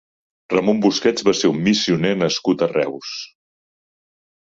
Ramon Busquets va ser un missioner nascut a Reus.